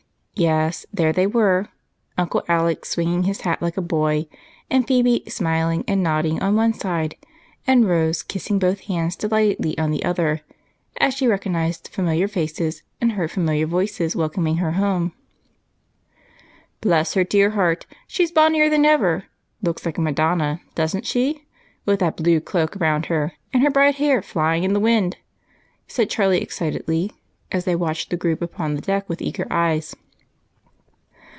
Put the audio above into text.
Yes, there they were Uncle Alec swinging his hat like a boy, with Phebe smiling and nodding on one side and Rose kissing both hands delightedly on the other as she recognized familiar faces and heard familiar voices welcoming her home. "Bless her dear heart, she's bonnier than ever! Looks like a Madonna doesn't she? with that blue cloak round her, and her bright hair flying in the wind!" said Charlie excitedly as they watched the group upon the deck with eager eyes.